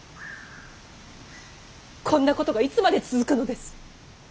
こんなことがいつまで続くのです。